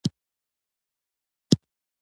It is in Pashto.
بزګر د باران هر څاڅکی نعمت بولي